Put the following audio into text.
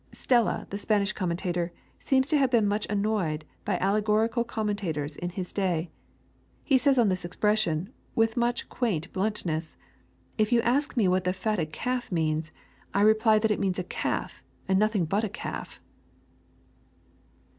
Stella, the Spanish Commentator, seems to have been much annoyed by allegorical Commentators^ in his day. He says on this expression, with much quaint bluntness, " If you ask me what the fatted calf means, I reply that it means a calf, and nothing but a calf."